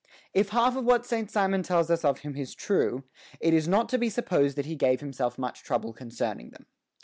If half of what Saint Simon tells us of him is true, it is not to be supposed that he gave himself much trouble concerning them.